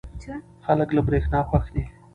خلک له برېښنا خوښ دي.